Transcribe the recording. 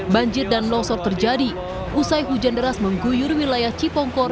banjir dan longsor terjadi usai hujan deras mengguyur wilayah cipongkor